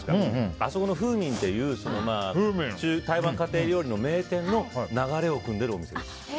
あそこの、ふーみんっていう台湾家庭料理の名店の流れをくんでるお店です。